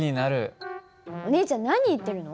お兄ちゃん何言ってるの！